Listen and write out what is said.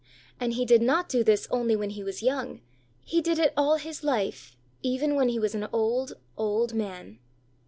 And he did not do this only when he was young, he did it all his life, even when he was an old, old man.